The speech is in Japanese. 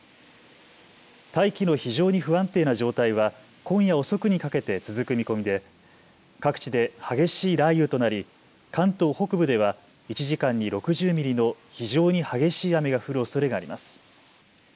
大気の非常に不安定な状態は今夜遅くにかけて続く見込みで各地で激しい雷雨となり関東北部では１時間に６０ミリの非常に激しい雨が降るおそれがあります。